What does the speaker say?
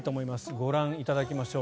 ご覧いただきましょう。